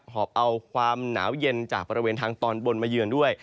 หอบเอาความหนาวเย็นจากบริเวณทางตอนบนมาเยือนด้วย